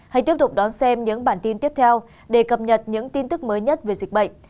hãy tiếp tục đón xem những bản tin tiếp theo để cập nhật những tin tức mới nhất về dịch bệnh